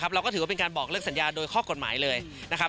เราก็ถือว่าเป็นการบอกเลิกสัญญาโดยข้อกฎหมายเลยนะครับ